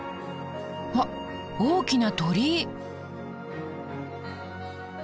あっ大きな鳥居！